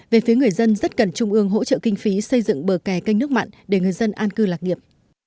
về phía người dân rất cần trung ương hỗ trợ kinh phí xây dựng bờ kè canh nước mặn để người dân an cư lạc nghiệp